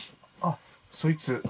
あっそいつ？